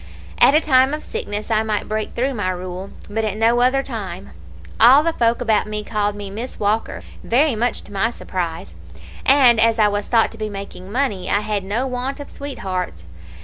At a time of sickness I might break through my rule, but at no other time. All the folk about me called me Miss Walker, very much to my surprise; and as I was thought to be making money, I had no want of sweethearts.